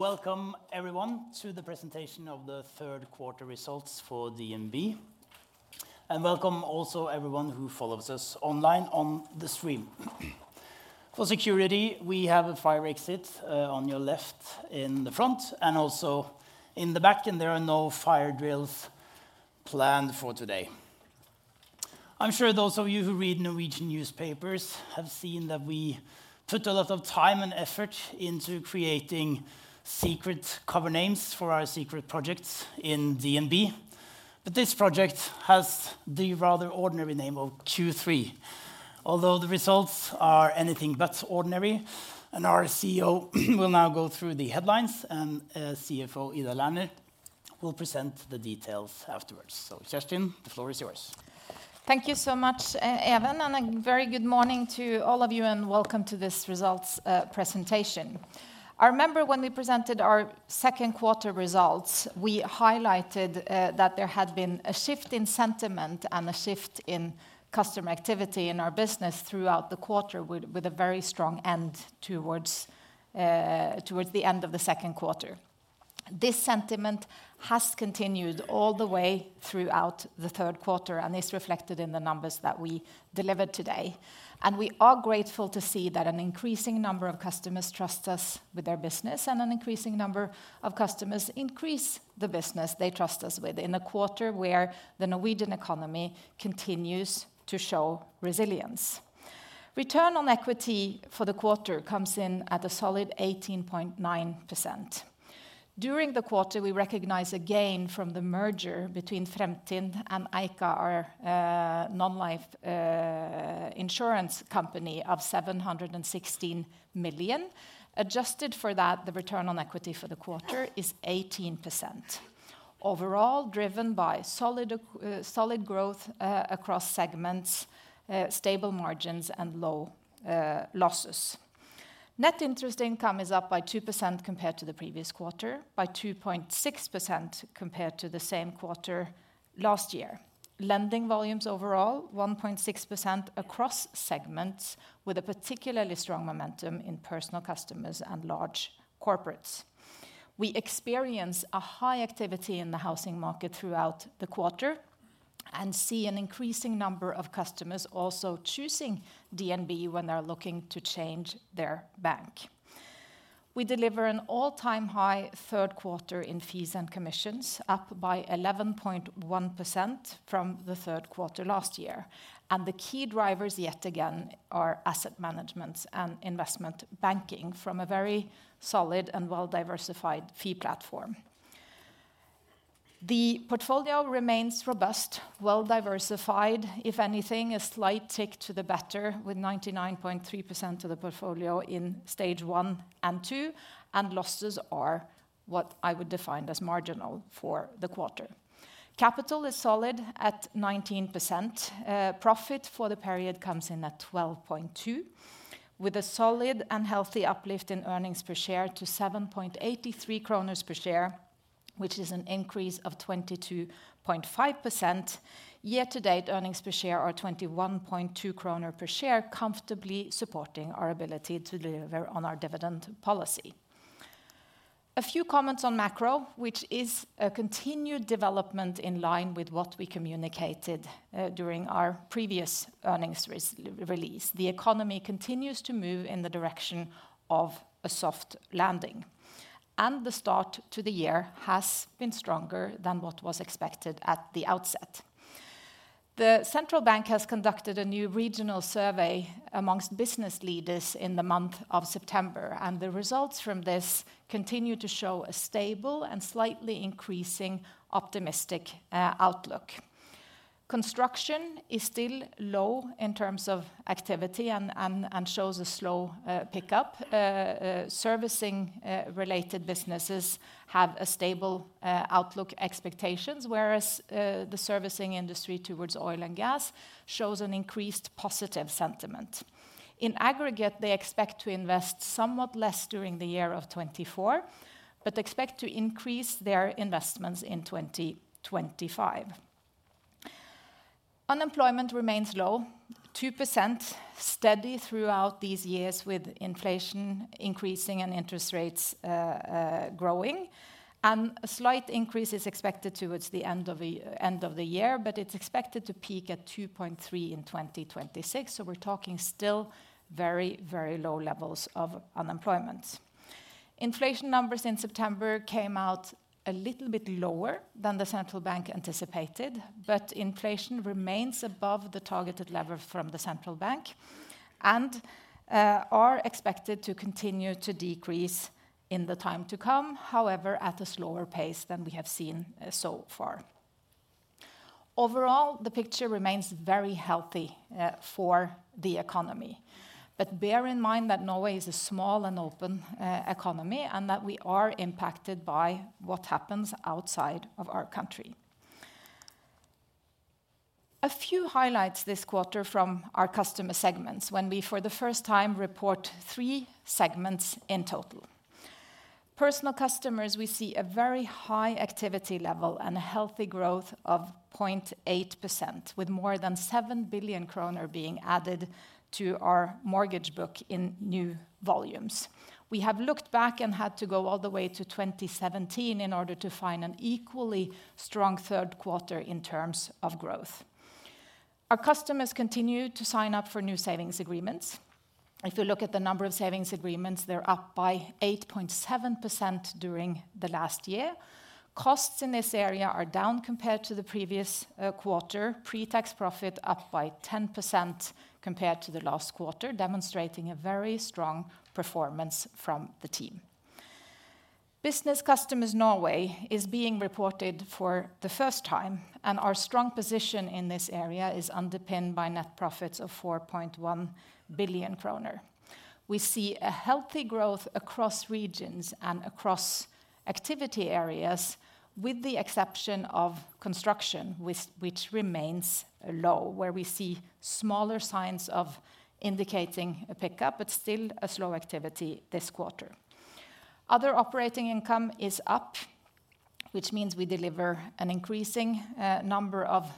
Welcome everyone to the presentation of the third quarter results for DNB, and welcome also everyone who follows us online on the stream. For security, we have a fire exit on your left in the front and also in the back, and there are no fire drills planned for today. I'm sure those of you who read Norwegian newspapers have seen that we put a lot of time and effort into creating secret cover names for our secret projects in DNB, but this project has the rather ordinary name of Q3. Although the results are anything but ordinary, and our CEO will now go through the headlines, and CFO Ida Lerner will present the details afterwards. So, Kjerstin, the floor is yours. Thank you so much, Even, and a very good morning to all of you, and welcome to this results presentation. I remember when we presented our second quarter results, we highlighted that there had been a shift in sentiment and a shift in customer activity in our business throughout the quarter, with a very strong end towards the end of the second quarter. This sentiment has continued all the way throughout the third quarter and is reflected in the numbers that we delivered today. And we are grateful to see that an increasing number of customers trust us with their business, and an increasing number of customers increase the business they trust us with, in a quarter where the Norwegian economy continues to show resilience. Return on equity for the quarter comes in at a solid 18.9%. During the quarter, we recognized a gain from the merger between Fremtind and Eika, our non-life insurance company, of 716 million. Adjusted for that, the return on equity for the quarter is 18%. Overall, driven by solid growth across segments, stable margins, and low losses. Net interest income is up by 2% compared to the previous quarter, by 2.6% compared to the same quarter last year. Lending volumes overall, 1.6% across segments, with a particularly strong momentum in personal customers and large corporates. We experience a high activity in the housing market throughout the quarter and see an increasing number of customers also choosing DNB when they're looking to change their bank. We deliver an all-time high third quarter in fees and commissions, up by 11.1% from the third quarter last year, and the key drivers, yet again, are asset management and investment banking from a very solid and well-diversified fee platform. The portfolio remains robust, well-diversified. If anything, a slight tick to the better, with 99.3% of the portfolio in Stage 1 and 2, and losses are what I would define as marginal for the quarter. Capital is solid at 19%. Profit for the period comes in at 12.2, with a solid and healthy uplift in earnings per share to 7.83 kroner per share, which is an increase of 22.5%. Year-to-date earnings per share are 21.2 kroner per share, comfortably supporting our ability to deliver on our dividend policy. A few comments on macro, which is a continued development in line with what we communicated during our previous earnings release. The economy continues to move in the direction of a soft landing, and the start to the year has been stronger than what was expected at the outset. The central bank has conducted a new regional survey among business leaders in the month of September, and the results from this continue to show a stable and slightly increasing optimistic outlook. Construction is still low in terms of activity and shows a slow pickup. Servicing related businesses have a stable outlook expectations, whereas the servicing industry towards oil and gas shows an increased positive sentiment. In aggregate, they expect to invest somewhat less during the year of 2024, but expect to increase their investments in 2025. Unemployment remains low, 2%, steady throughout these years, with inflation increasing and interest rates growing. A slight increase is expected towards the end of the year, but it's expected to peak at 2.3% in 2026, so we're talking still very, very low levels of unemployment. Inflation numbers in September came out a little bit lower than the central bank anticipated, but inflation remains above the targeted level from the central bank and are expected to continue to decrease in the time to come. However, at a slower pace than we have seen so far. Overall, the picture remains very healthy for the economy. But bear in mind that Norway is a small and open economy, and that we are impacted by what happens outside of our country. A few highlights this quarter from our customer segments, when we, for the first time, report three segments in total. Personal Customers, we see a very high activity level and a healthy growth of 0.8%, with more than 7 billion kroner being added to our mortgage book in new volumes. We have looked back and had to go all the way to 2017 in order to find an equally strong third quarter in terms of growth. Our customers continue to sign up for new savings agreements. If you look at the number of savings agreements, they're up by 8.7% during the last year. Costs in this area are down compared to the previous quarter, pre-tax profit up by 10% compared to the last quarter, demonstrating a very strong performance from the team. Business Customers Norway is being reported for the first time, and our strong position in this area is underpinned by net profits of 4.1 billion kroner. We see a healthy growth across regions and across activity areas, with the exception of construction, which remains low, where we see smaller signs of indicating a pickup, but still a slow activity this quarter. Other operating income is up, which means we deliver an increasing number of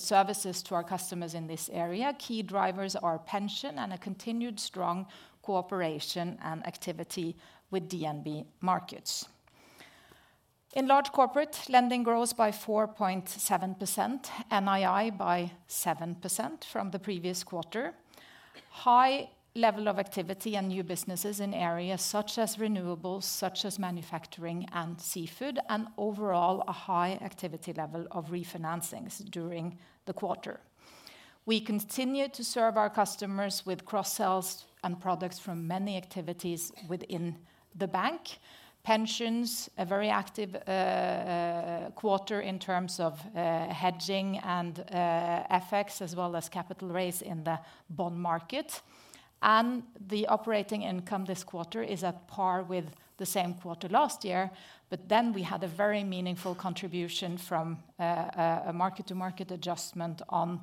services to our customers in this area. Key drivers are pension and a continued strong cooperation and activity with DNB Markets. In Large Corporates, lending grows by 4.7%, NII by 7% from the previous quarter. High level of activity and new businesses in areas such as renewables, such as manufacturing and seafood, and overall, a high activity level of refinancings during the quarter. We continue to serve our customers with cross-sells and products from many activities within the bank. Pensions, a very active quarter in terms of hedging and FX, as well as capital raise in the bond market. And the operating income this quarter is at par with the same quarter last year, but then we had a very meaningful contribution from a mark-to-market adjustment on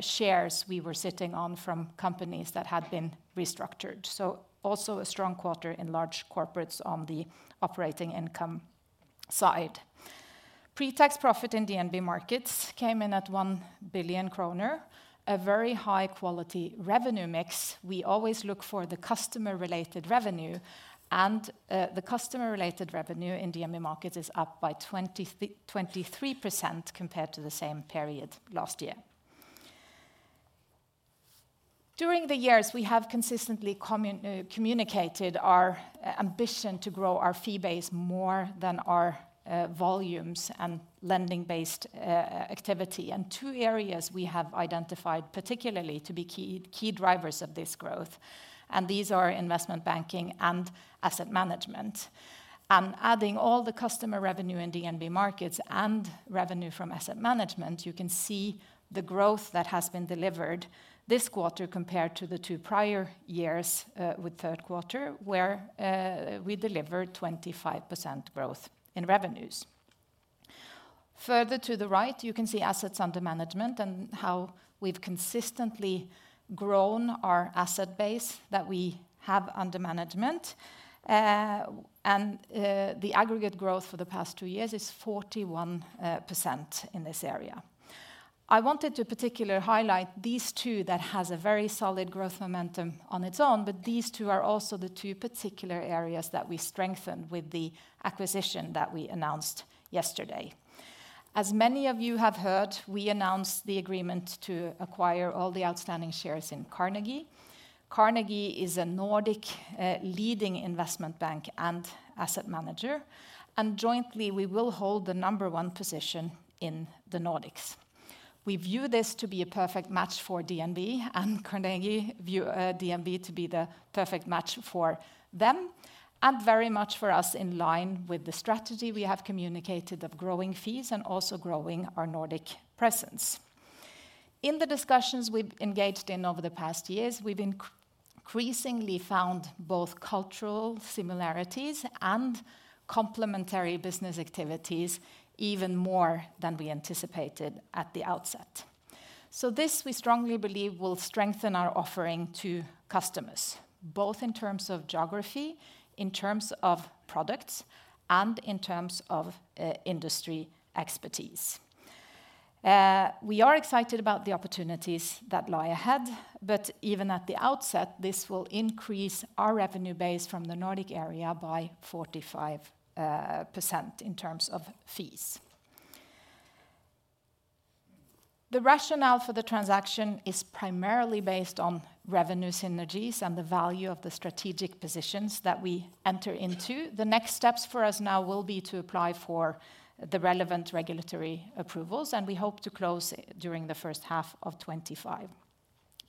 shares we were sitting on from companies that had been restructured. So also a strong quarter in large corporates on the operating income side. Pre-tax profit in DNB Markets came in at 1 billion kroner, a very high-quality revenue mix. We always look for the customer-related revenue, and the customer-related revenue in DNB Markets is up by 23% compared to the same period last year. During the years, we have consistently communicated our ambition to grow our fee base more than our volumes and lending-based activity. Two areas we have identified particularly to be key drivers of this growth, and these are investment banking and asset management. Adding all the customer revenue in DNB Markets and revenue from asset management, you can see the growth that has been delivered this quarter compared to the two prior years with third quarter, where we delivered 25% growth in revenues. Further to the right, you can see assets under management and how we've consistently grown our asset base that we have under management. The aggregate growth for the past two years is 41% in this area. I wanted to particularly highlight these two that has a very solid growth momentum on its own, but these two are also the two particular areas that we strengthened with the acquisition that we announced yesterday. As many of you have heard, we announced the agreement to acquire all the outstanding shares in Carnegie. Carnegie is a Nordic leading investment bank and asset manager, and jointly, we will hold the number one position in the Nordics. We view this to be a perfect match for DNB, and Carnegie view DNB to be the perfect match for them, and very much for us in line with the strategy we have communicated of growing fees and also growing our Nordic presence. In the discussions we've engaged in over the past years, we've increasingly found both cultural similarities and complementary business activities even more than we anticipated at the outset. This, we strongly believe, will strengthen our offering to customers, both in terms of geography, in terms of products, and in terms of industry expertise. We are excited about the opportunities that lie ahead, but even at the outset, this will increase our revenue base from the Nordic area by 45% in terms of fees. The rationale for the transaction is primarily based on revenue synergies and the value of the strategic positions that we enter into. The next steps for us now will be to apply for the relevant regulatory approvals, and we hope to close it during the first half of 2025.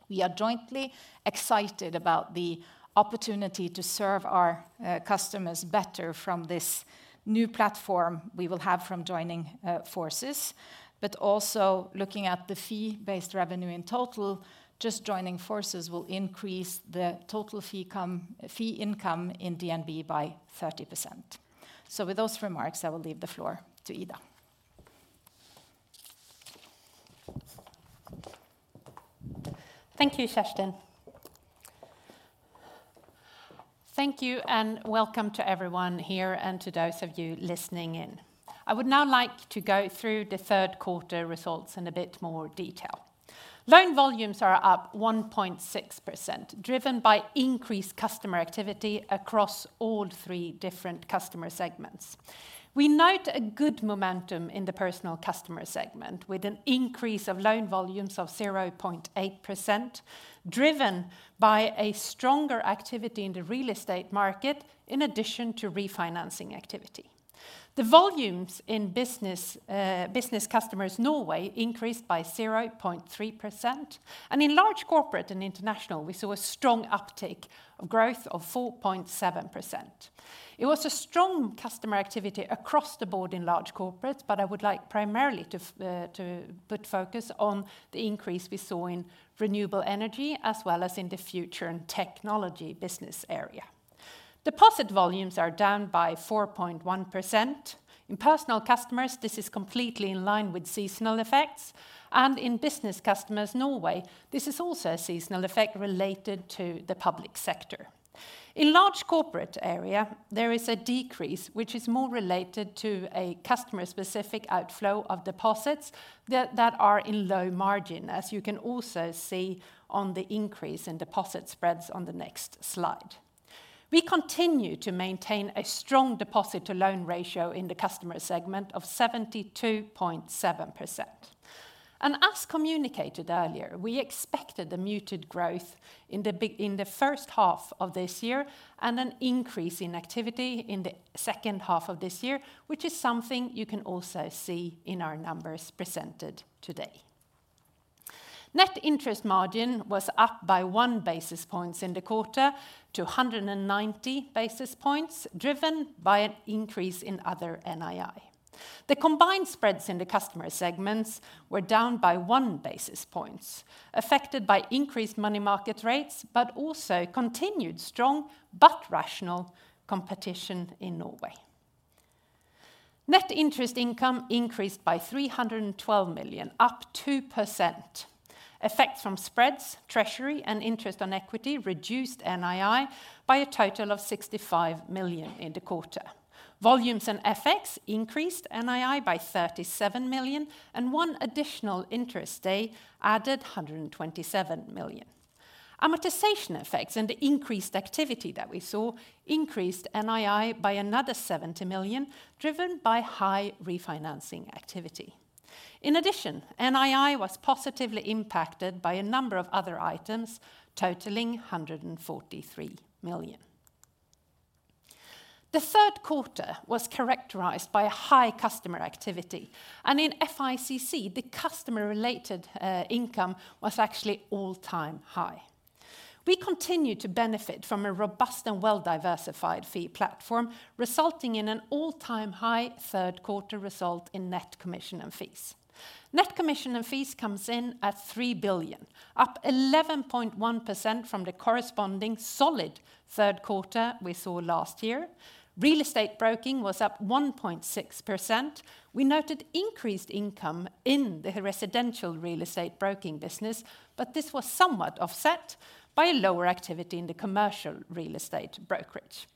We are jointly excited about the opportunity to serve our customers better from this new platform we will have from joining forces, but also looking at the fee-based revenue in total, just joining forces will increase the total fee income in DNB by 30%. So with those remarks, I will leave the floor to Ida.... Thank you, Kjerstin. Thank you, and welcome to everyone here and to those of you listening in. I would now like to go through the third quarter results in a bit more detail. Loan volumes are up 1.6%, driven by increased customer activity across all three different customer segments. We note a good momentum in the Personal Customers segment, with an increase of loan volumes of 0.8%, driven by a stronger activity in the real estate market in addition to refinancing activity. The volumes in Business Customers Norway increased by 0.3%, and in Large Corporates and International, we saw a strong uptake of growth of 4.7%. It was a strong customer activity across the board in Large Corporates, but I would like primarily to put focus on the increase we saw in renewable energy, as well as in the Future and Technology business area. Deposit volumes are down by 4.1%. In Personal Customers, this is completely in line with seasonal effects, and in Business Customers Norway, this is also a seasonal effect related to the public sector. In Large Corporates area, there is a decrease, which is more related to a customer-specific outflow of deposits that are in low margin, as you can also see on the increase in deposit spreads on the next slide. We continue to maintain a strong deposit-to-loan ratio in the customer segment of 72.7%. As communicated earlier, we expected a muted growth in the first half of this year and an increase in activity in the second half of this year, which is something you can also see in our numbers presented today. Net interest margin was up by 1 basis points in the quarter to 190 basis points, driven by an increase in other NII. The combined spreads in the customer segments were down by 1 basis points, affected by increased money market rates, but also continued strong but rational competition in Norway. Net interest income increased by 312 million, up 2%. Effects from spreads, treasury, and interest on equity reduced NII by a total of 65 million in the quarter. Volumes and effects increased NII by 37 million, and one additional interest day added 127 million. Amortization effects and the increased activity that we saw increased NII by another 70 million, driven by high refinancing activity. In addition, NII was positively impacted by a number of other items, totaling 143 million. The third quarter was characterized by a high customer activity, and in FICC, the customer-related income was actually all-time high. We continued to benefit from a robust and well-diversified fee platform, resulting in an all-time high third quarter result in net commission and fees. Net commission and fees comes in at 3 billion, up 11.1% from the corresponding solid third quarter we saw last year. Real estate broking was up 1.6%. We noted increased income in the residential real estate broking business, but this was somewhat offset by a lower activity in the commercial real estate brokerage.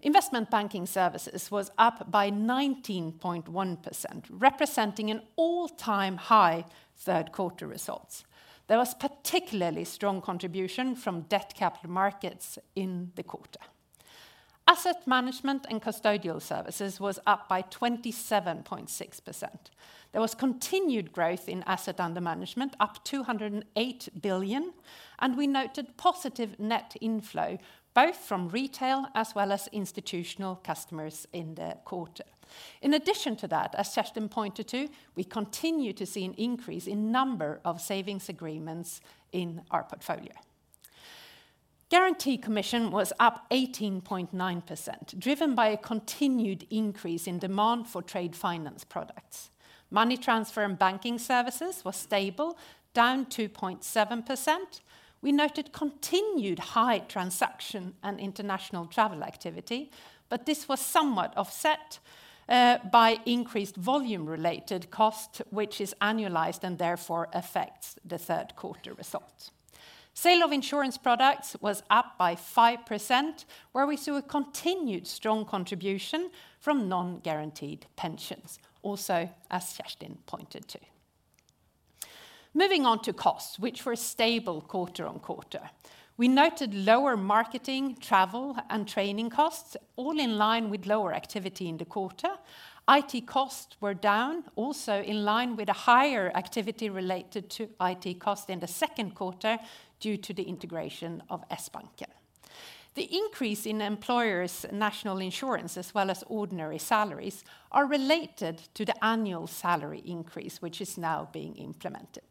Investment banking services was up by 19.1%, representing an all-time high third quarter results. There was particularly strong contribution from debt capital markets in the quarter. Asset management and custodial services was up by 27.6%. There was continued growth in asset under management, up 208 billion, and we noted positive net inflow, both from retail as well as institutional customers in the quarter. In addition to that, as Kjerstin pointed to, we continue to see an increase in number of savings agreements in our portfolio. Guarantee commission was up 18.9%, driven by a continued increase in demand for trade finance products. Money transfer and banking services were stable, down 2.7%. We noted continued high transaction and international travel activity, but this was somewhat offset by increased volume-related cost, which is annualized and therefore affects the third quarter results. Sale of insurance products was up by 5%, where we saw a continued strong contribution from non-guaranteed pensions, also as Kjerstin pointed to. Moving on to costs, which were stable quarter on quarter. We noted lower marketing, travel, and training costs, all in line with lower activity in the quarter. IT costs were down, also in line with a higher activity related to IT cost in the second quarter due to the integration of Sbanken. The increase in employers' national insurance, as well as ordinary salaries, are related to the annual salary increase, which is now being implemented.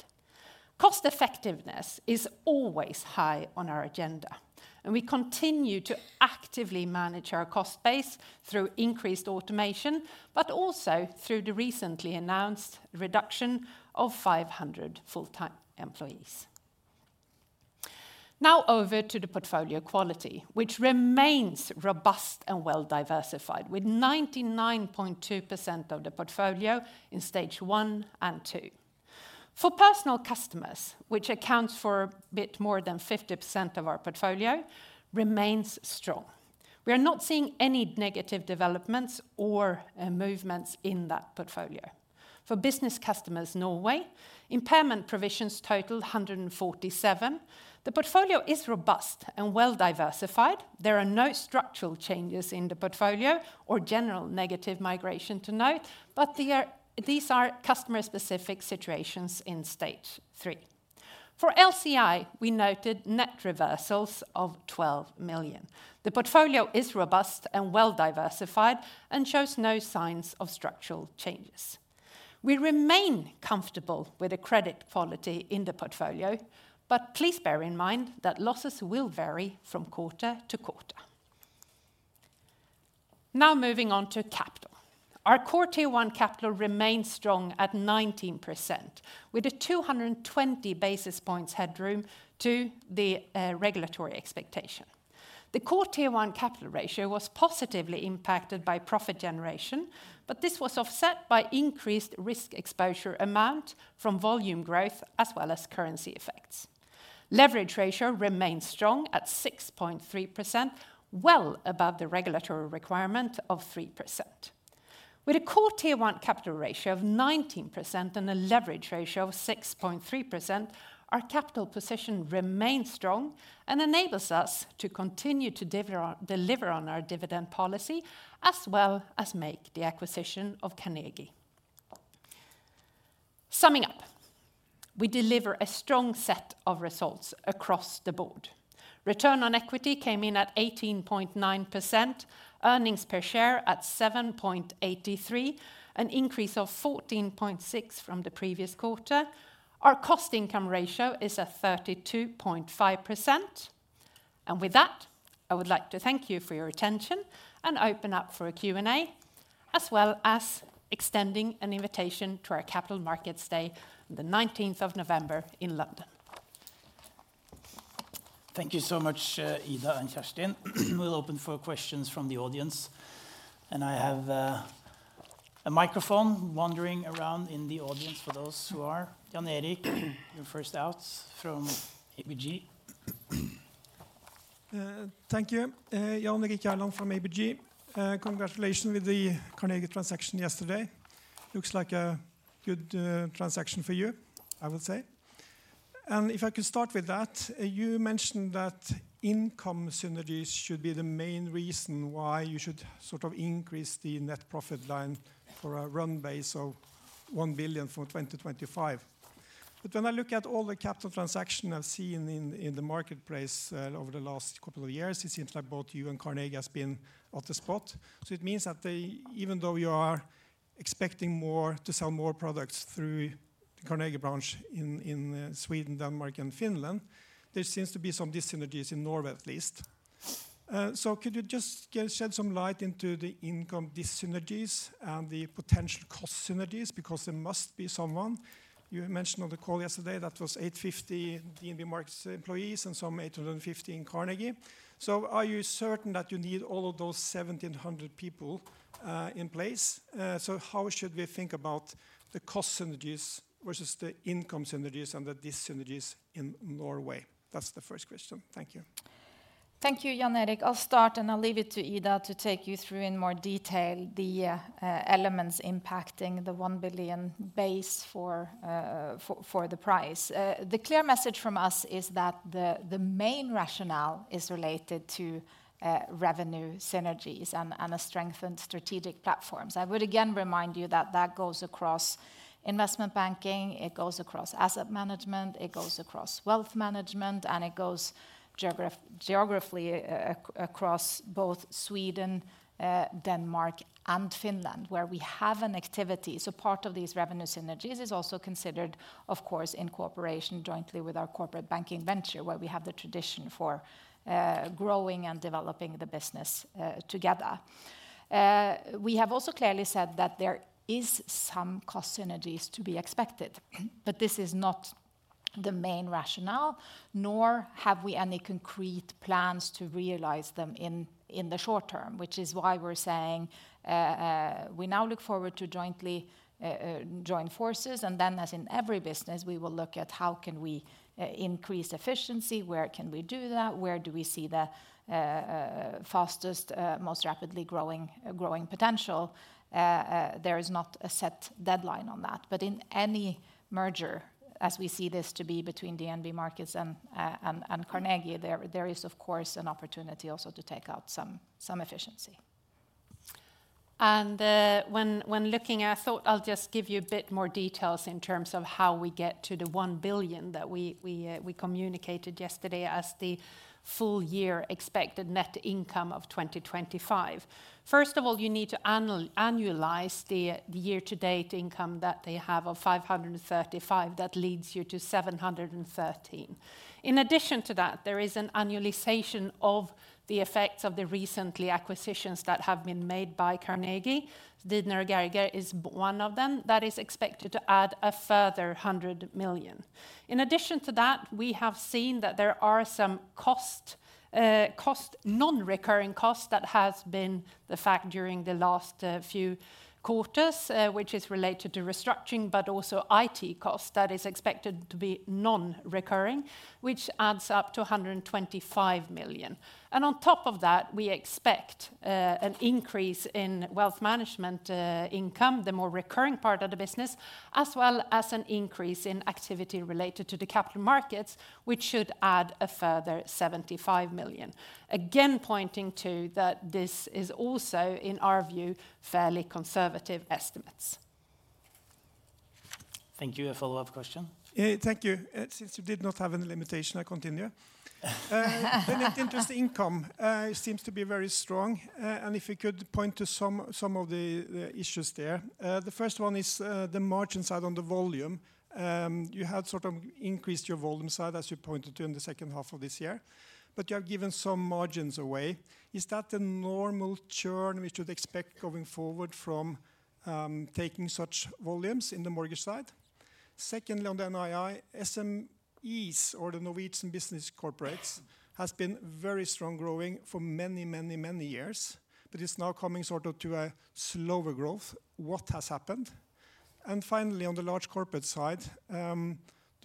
Cost effectiveness is always high on our agenda, and we continue to actively manage our cost base through increased automation, but also through the recently announced reduction of 500 full-time employees. Now over to the portfolio quality, which remains robust and well-diversified, with 99.2% of the portfolio in Stage 1 and 2. For Personal Customers, which accounts for a bit more than 50% of our portfolio, remains strong. We are not seeing any negative developments or movements in that portfolio. For Business Customers Norway, impairment provisions totaled 147. The portfolio is robust and well diversified. There are no structural changes in the portfolio or general negative migration to note, but there are these customer-specific situations in Stage 3. For LCI, we noted net reversals of 12 million. The portfolio is robust and well diversified and shows no signs of structural changes. We remain comfortable with the credit quality in the portfolio, but please bear in mind that losses will vary from quarter to quarter. Now, moving on to capital. Our core Tier One capital remains strong at 19%, with a two hundred and twenty basis points headroom to the regulatory expectation. The core Tier One capital ratio was positively impacted by profit generation, but this was offset by increased risk exposure amount from volume growth as well as currency effects. Leverage ratio remains strong at 6.3%, well above the regulatory requirement of 3%. With a core Tier One capital ratio of 19% and a leverage ratio of 6.3%, our capital position remains strong and enables us to continue to deliver on, deliver on our dividend policy, as well as make the acquisition of Carnegie. Summing up, we deliver a strong set of results across the board. Return on equity came in at 18.9%, earnings per share at 7.83, an increase of 14.6 from the previous quarter. Our cost-income ratio is at 32.5%, and with that, I would like to thank you for your attention and open up for a Q&A, as well as extending an invitation to our Capital Markets Day on the nineteenth of November in London. Thank you so much, Ida and Kjerstin. We'll open for questions from the audience, and I have a microphone wandering around in the audience for those who are. Jan Erik, you're first out from ABG. Thank you. Jan Erik Gjerland from ABG. Congratulations with the Carnegie transaction yesterday. Looks like a good transaction for you, I would say. If I could start with that, you mentioned that income synergies should be the main reason why you should sort of increase the net profit line for a run base of 1 billion for 2025. But when I look at all the capital transaction I've seen in the marketplace over the last couple of years, it seems like both you and Carnegie has been off the spot. So it means that they even though you are expecting more to sell more products through Carnegie branch in Sweden, Denmark, and Finland, there seems to be some dis-synergies in Norway, at least. So could you just shed some light into the income dis-synergies and the potential cost synergies? Because there must be someone. You mentioned on the call yesterday, that was 850 DNB Markets employees and some 850 in Carnegie. So are you certain that you need all of those 1,700 people in place? So how should we think about the cost synergies versus the income synergies and the dis-synergies in Norway? That's the first question. Thank you. Thank you, Jan Erik. I'll start, and I'll leave it to Ida to take you through in more detail the elements impacting the one billion base for the price. The clear message from us is that the main rationale is related to revenue synergies and a strengthened strategic platforms. I would again remind you that that goes across investment banking, it goes across asset management, it goes across wealth management, and it goes geographically across both Sweden, Denmark, and Finland, where we have an activity. So part of these revenue synergies is also considered, of course, in cooperation jointly with our corporate banking venture, where we have the tradition for growing and developing the business together. We have also clearly said that there is some cost synergies to be expected, but this is not the main rationale, nor have we any concrete plans to realize them in the short term. Which is why we're saying we now look forward to jointly join forces, and then, as in every business, we will look at how can we increase efficiency, where can we do that, where do we see the fastest most rapidly growing potential. There is not a set deadline on that. But in any merger, as we see this to be between DNB Markets and Carnegie, there is, of course, an opportunity also to take out some efficiency. And when looking... I thought I'll just give you a bit more details in terms of how we get to the 1 billion that we communicated yesterday as the full year expected net income of twenty twenty-five. First of all, you need to annualize the year-to-date income that they have of 535. That leads you to 713. In addition to that, there is an annualization of the effects of the recently acquisitions that have been made by Carnegie. Didner & Gerge is one of them. That is expected to add a further 100 million.... In addition to that, we have seen that there are some cost non-recurring costs that has been the fact during the last few quarters, which is related to restructuring, but also IT costs that is expected to be non-recurring, which adds up to 125 million. And on top of that, we expect an increase in wealth management income, the more recurring part of the business, as well as an increase in activity related to the capital markets, which should add a further 75 million. Again, pointing to that this is also, in our view, fairly conservative estimates. Thank you. A follow-up question? Yeah, thank you. Since you did not have any limitation, I continue. The net interest income seems to be very strong and if you could point to some of the issues there. The first one is the margin side on the volume. You had sort of increased your volume side, as you pointed to in the second half of this year, but you have given some margins away. Is that the normal churn we should expect going forward from taking such volumes in the mortgage side? Secondly, on the NII, SMEs or the Norwegian business corporates has been very strong growing for many, many, many years, but it's now coming sort of to a slower growth. What has happened and finally on the large corporate side, the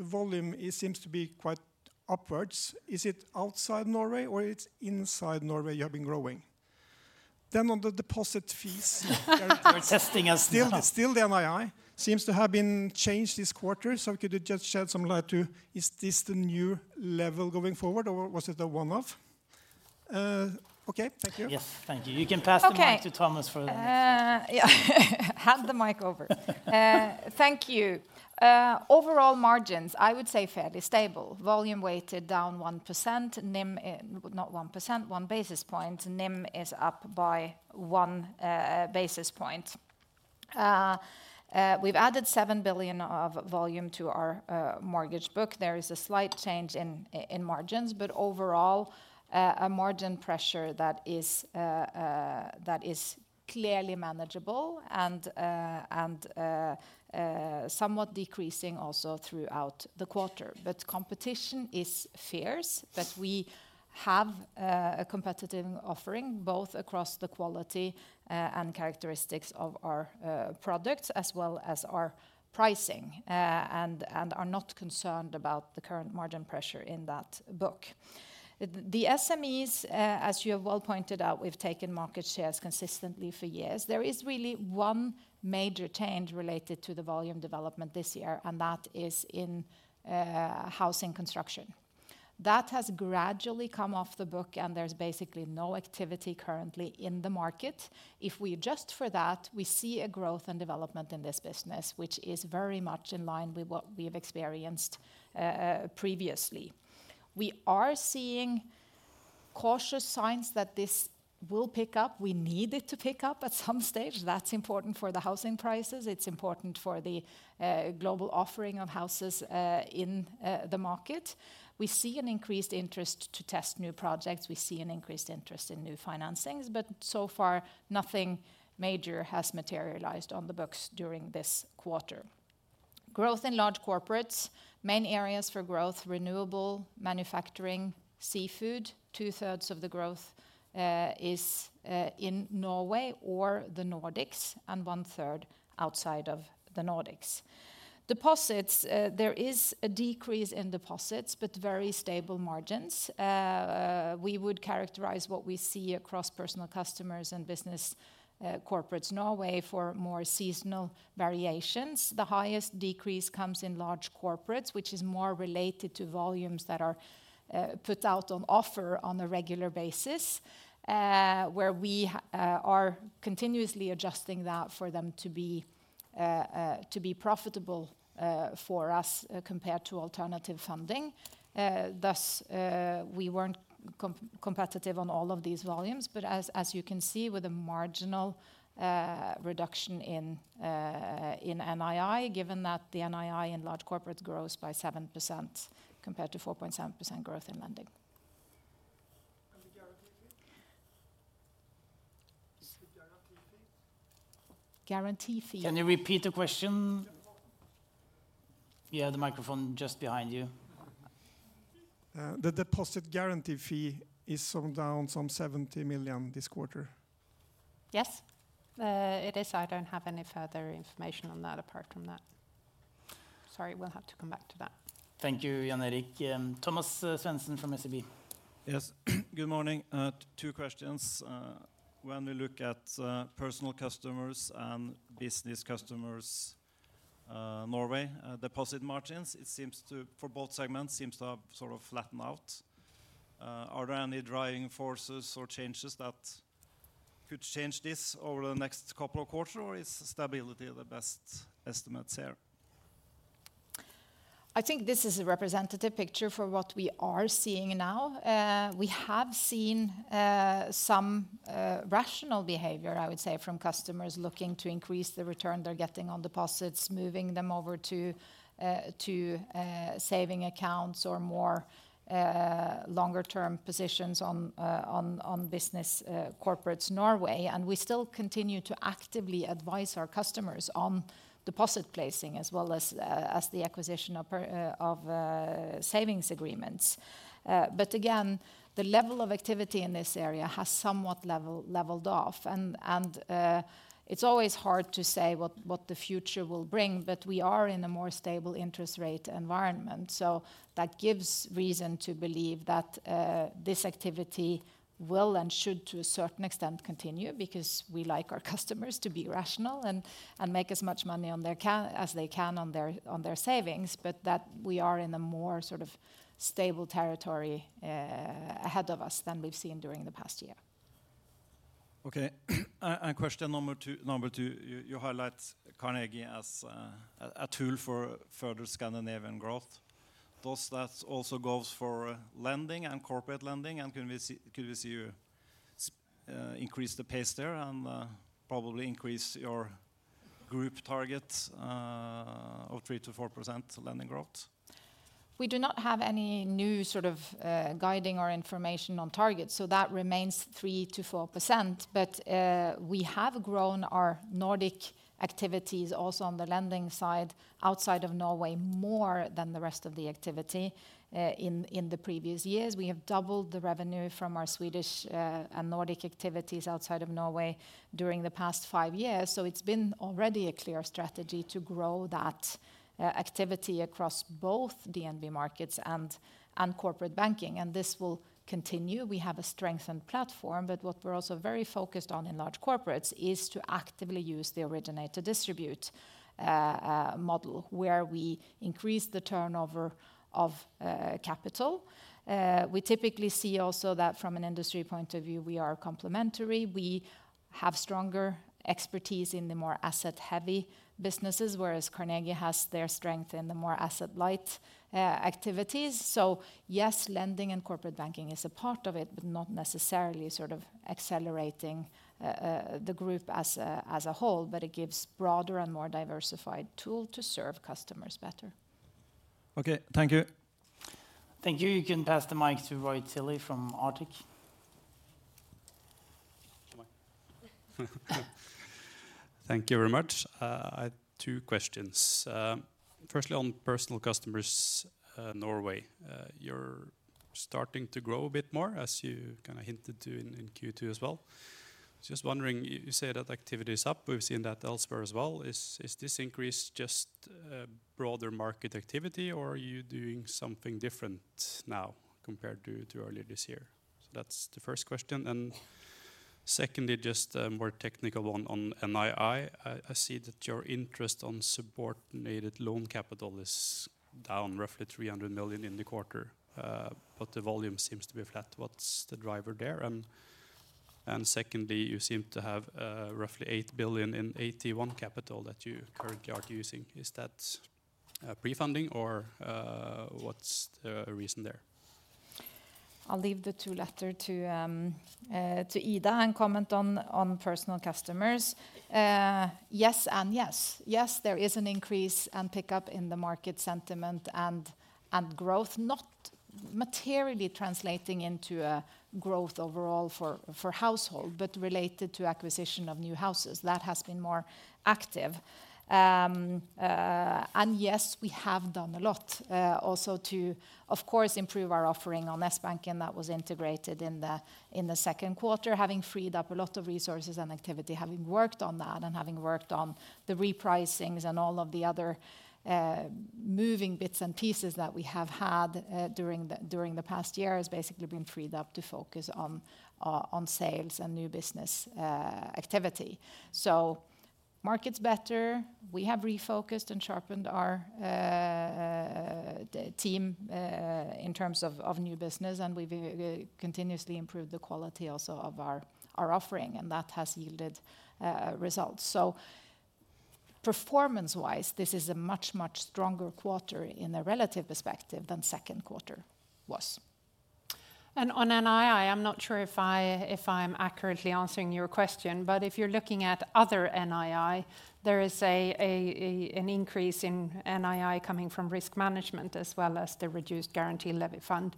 volume, it seems to be quite upwards. Is it outside Norway or it's inside Norway you have been growing? Then on the deposit fees You're testing us now. Still, still the NII seems to have been changed this quarter, so could you just shed some light to, is this the new level going forward, or was it a one-off? Okay, thank you. Yes, thank you. Okay. You can pass the mic to Thomas for the next question. Yeah, hand the mic over. Thank you. Overall margins, I would say fairly stable. Volume weighted down 1%, NIM - not 1%, one basis point. NIM is up by one basis point. We've added 7 billion of volume to our mortgage book. There is a slight change in in margins, but overall, a margin pressure that is that is clearly manageable and and somewhat decreasing also throughout the quarter. But competition is fierce, but we have a competitive offering, both across the quality and characteristics of our products as well as our pricing, and are not concerned about the current margin pressure in that book. The SMEs, as you have well pointed out, we've taken market shares consistently for years. There is really one major change related to the volume development this year, and that is in housing construction. That has gradually come off the book, and there's basically no activity currently in the market. If we adjust for that, we see a growth and development in this business, which is very much in line with what we have experienced previously. We are seeing cautious signs that this will pick up. We need it to pick up at some stage. That's important for the housing prices. It's important for the global offering of houses in the market. We see an increased interest to test new projects. We see an increased interest in new financings, but so far, nothing major has materialized on the books during this quarter. Growth in large corporates, main areas for growth, renewable, manufacturing, seafood. Two-thirds of the growth is in Norway or the Nordics, and one-third outside of the Nordics. Deposits, there is a decrease in deposits, but very stable margins. We would characterize what we see across personal customers and business customers Norway for more seasonal variations. The highest decrease comes in large corporates, which is more related to volumes that are put out on offer on a regular basis, where we are continuously adjusting that for them to be profitable for us compared to alternative funding. Thus, we weren't competitive on all of these volumes, but as you can see, with a marginal reduction in NII, given that the NII in large corporates grows by 7% compared to 4.7% growth in lending. And the guarantee fee? The guarantee fee. Guarantee fee- Can you repeat the question?... Yeah, the microphone just behind you. The deposit guarantee fee is sort of down some 70 million this quarter. Yes, it is. I don't have any further information on that apart from that. Sorry, we'll have to come back to that. Thank you, Jan Erik. Thomas Svendsen from SEB. Yes. Good morning. Two questions. When we look at Personal Customers and Business Customers Norway, deposit margins, it seems to have sort of flattened out for both segments. Are there any driving forces or changes that could change this over the next couple of quarters, or is stability the best estimates here?... I think this is a representative picture for what we are seeing now. We have seen some rational behavior, I would say, from customers looking to increase the return they're getting on deposits, moving them over to savings accounts or more longer term positions on Business Customers Norway. And we still continue to actively advise our customers on deposit placing, as well as the acquisition of savings agreements. But again, the level of activity in this area has somewhat leveled off, and it's always hard to say what the future will bring, but we are in a more stable interest rate environment. So that gives reason to believe that this activity will and should, to a certain extent, continue, because we like our customers to be rational and make as much money as they can on their savings, but that we are in a more sort of stable territory ahead of us than we've seen during the past year. Okay. And question number two, you highlight Carnegie as a tool for further Scandinavian growth. Does that also goes for lending and corporate lending? And could we see you increase the pace there and probably increase your group targets of 3%-4% lending growth? We do not have any new sort of guiding or information on targets, so that remains 3-4%. But we have grown our Nordic activities also on the lending side, outside of Norway, more than the rest of the activity in the previous years. We have doubled the revenue from our Swedish and Nordic activities outside of Norway during the past five years. So it's been already a clear strategy to grow that activity across both DNB Markets and corporate banking, and this will continue. We have a strengthened platform, but what we're also very focused on in large corporates is to actively use the originate to distribute model, where we increase the turnover of capital. We typically see also that from an industry point of view, we are complementary. We have stronger expertise in the more asset-heavy businesses, whereas Carnegie has their strength in the more asset-light activities. So yes, lending and corporate banking is a part of it, but not necessarily sort of accelerating the group as a whole, but it gives broader and more diversified tool to serve customers better. Okay, thank you. Thank you. You can pass the mic to Roy Tilley from Arctic. Thank you very much. I have two questions. Firstly, on Personal Customers Norway, you're starting to grow a bit more, as you kinda hinted to in Q2 as well. Just wondering, you say that activity is up. We've seen that elsewhere as well. Is this increase just broader market activity, or are you doing something different now compared to earlier this year? So that's the first question. And secondly, just a more technical one on NII. I see that your interest on subordinated loan capital is down roughly 300 million in the quarter, but the volume seems to be flat. What's the driver there? And secondly, you seem to have roughly 8 billion in AT1 capital that you currently are using. Is that pre-funding or what's the reason there? I'll leave the two latter to Ida and comment on personal customers. Yes and yes. Yes, there is an increase and pickup in the market sentiment and growth, not materially translating into a growth overall for household, but related to acquisition of new houses. That has been more active. And yes, we have done a lot also to of course improve our offering on Sbanken, and that was integrated in the second quarter, having freed up a lot of resources and activity, having worked on that and having worked on the repricings and all of the other moving bits and pieces that we have had during the past year, has basically been freed up to focus on sales and new business activity. So market's better. We have refocused and sharpened our team in terms of new business, and we've continuously improved the quality also of our offering, and that has yielded results. So performance-wise, this is a much, much stronger quarter in a relative perspective than second quarter was. On NII, I'm not sure if I'm accurately answering your question, but if you're looking at other NII, there is an increase in NII coming from risk management as well as the reduced guarantee levy fund.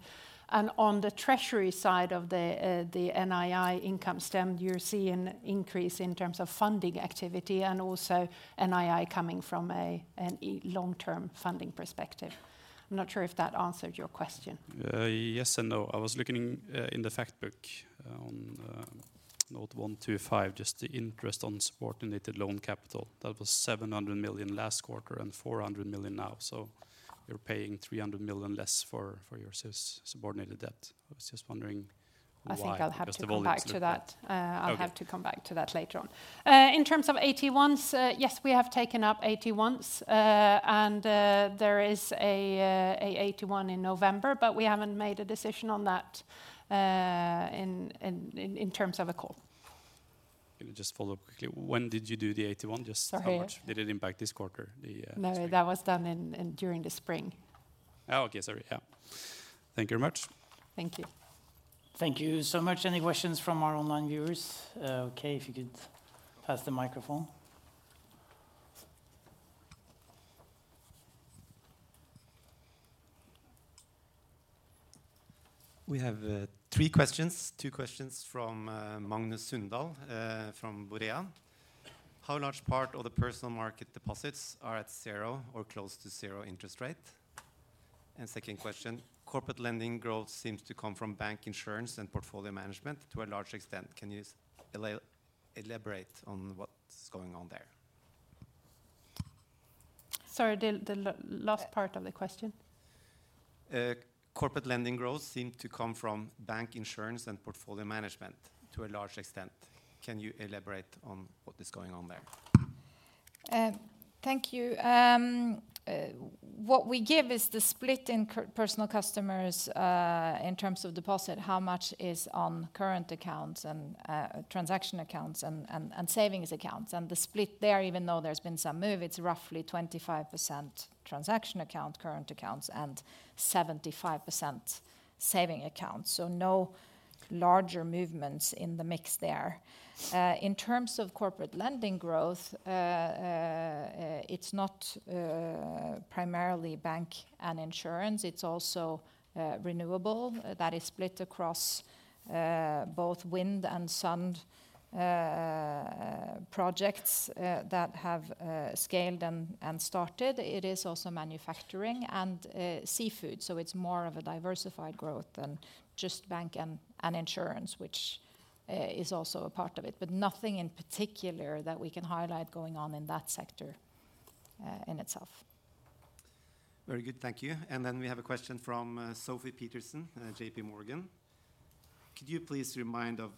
On the treasury side of the NII income stream, you're seeing an increase in terms of funding activity and also NII coming from an long-term funding perspective. I'm not sure if that answered your question. Yes and no. I was looking in the fact book on note 125, just the interest on subordinated loan capital. That was 700 million last quarter and 400 million now, so you're paying 300 million less for your subordinated debt. I was just wondering why? I think I'll have to come back to that. Okay. I'll have to come back to that later on. In terms of AT1s, yes, we have taken up AT1s, and there is a AT1 in November, but we haven't made a decision on that, in terms of a call.... Let me just follow up quickly. When did you do the AT1? Just- Sorry. How much did it impact this quarter, the spring? No, that was done in during the spring. Oh, okay. Sorry. Yeah. Thank you very much. Thank you. Thank you so much. Any questions from our online viewers? Okay, if you could pass the microphone. We have three questions. Two questions from Magnus Sundal from Borea. How large part of the personal market deposits are at zero or close to zero interest rate? And second question, corporate lending growth seems to come from bank, insurance and portfolio management to a large extent. Can you elaborate on what's going on there? Sorry, the last part of the question. Corporate lending growth seem to come from bank, insurance and portfolio management to a large extent. Can you elaborate on what is going on there? Thank you. What we give is the split in current personal customers, in terms of deposit, how much is on current accounts and transaction accounts and savings accounts. And the split there, even though there's been some move, it's roughly 25% transaction account, current accounts, and 75% savings accounts, so no larger movements in the mix there. In terms of corporate lending growth, it's not primarily bank and insurance. It's also renewable. That is split across both wind and sun projects that have scaled and started. It is also manufacturing and seafood, so it's more of a diversified growth than just bank and insurance, which is also a part of it, but nothing in particular that we can highlight going on in that sector in itself. Very good. Thank you. And then we have a question from Sofie Peterzens, J.P. Morgan. Could you please remind of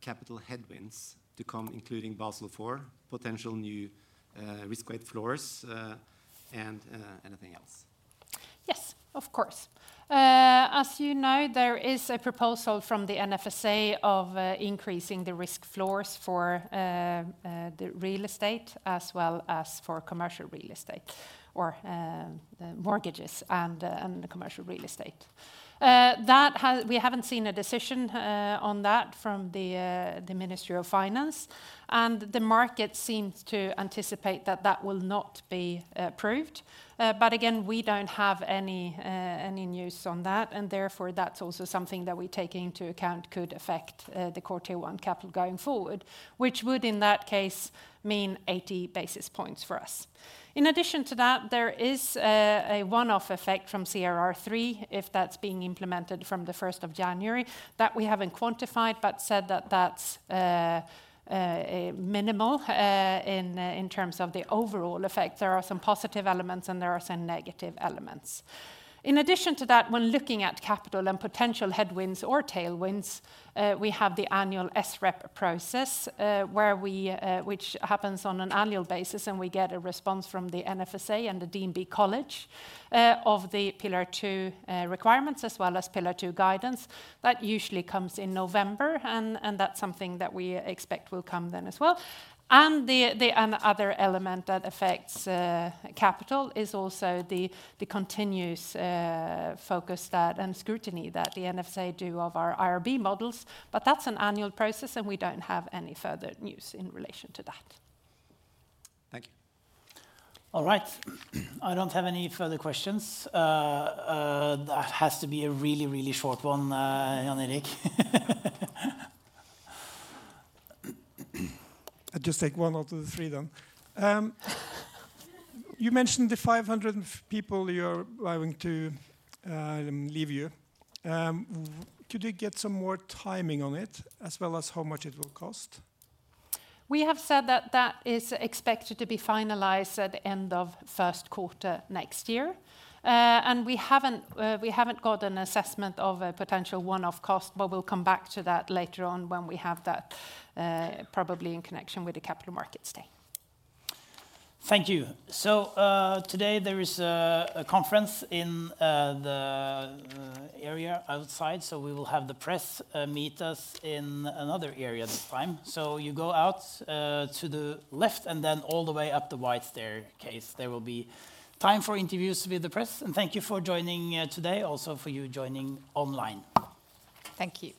capital headwinds to come, including Basel IV, potential new risk weight floors, and anything else? Yes, of course. As you know, there is a proposal from the NFSA of increasing the risk floors for the real estate, as well as for commercial real estate, or the mortgages and the commercial real estate. That has. We haven't seen a decision on that from the Ministry of Finance, and the market seems to anticipate that that will not be approved, but again, we don't have any news on that, and therefore, that's also something that we take into account could affect the core Tier One capital going forward, which would, in that case, mean eighty basis points for us. In addition to that, there is a one-off effect from CRR3, if that's being implemented from the first of January, that we haven't quantified, but said that that's minimal. In terms of the overall effect, there are some positive elements, and there are some negative elements. In addition to that, when looking at capital and potential headwinds or tailwinds, we have the annual SREP process, which happens on an annual basis, and we get a response from the NFSA and the DNB College of the Pillar II requirements, as well as Pillar II guidance. That usually comes in November, and that's something that we expect will come then as well. And the other element that affects capital is also the continuous focus and scrutiny that the NFSA do of our IRB models, but that's an annual process, and we don't have any further news in relation to that. Thank you. All right. I don't have any further questions. That has to be a really, really short one, Jan Erik. I just take one out of the three then. You mentioned the 500 people you're allowing to leave you. Could you get some more timing on it, as well as how much it will cost? We have said that that is expected to be finalized at the end of first quarter next year. And we haven't got an assessment of a potential one-off cost, but we'll come back to that later on when we have that, probably in connection with the capital markets day. Thank you, so today there is a conference in the area outside, so we will have the press meet us in another area this time, so you go out to the left and then all the way up the white staircase. There will be time for interviews with the press, and thank you for joining today, also for you joining online. Thank you.